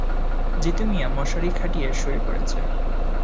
জিতু মিয়া মশারি খাটিয়ে শুয়ে পড়েছে।